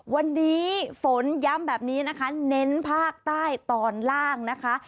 วันนี้ฝนย้ำแบบนี้นะคะเน้นภาคใต้ตอนล่างนะคะ